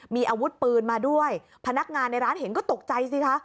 มีอาวุธปืนมาด้วยพนักงานในร้านเห็นก็ตกใจสิคะ